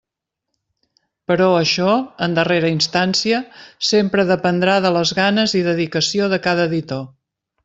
Però això, en darrera instància, sempre dependrà de les ganes i dedicació de cada editor.